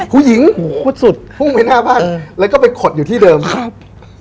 ภูหญิงพื้นที่หน้าบ้านเออแล้วก็ไปขดอยู่ที่เดิมครับ